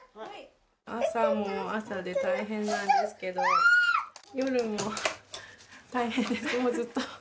朝も朝で大変なんですけど、夜も大変です、もうずっと。